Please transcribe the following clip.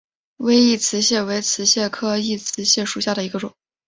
微异瓷蟹为瓷蟹科异瓷蟹属下的一个种。